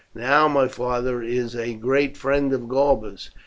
Now my father is a great friend of Galba's.